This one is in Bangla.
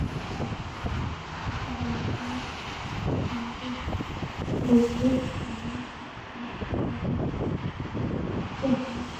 কিন্তু ব্যাংককের সান্টিবুরি সামুই কান্ট্রি ক্লাবে টি-অফ করতে গিয়েই ঘটে বিপত্তি।